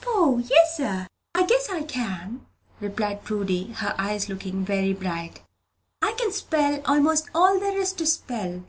"Poh! yes, sir, I guess I can," replied Prudy, her eyes looking very bright, "I can spell 'most all there is to spell."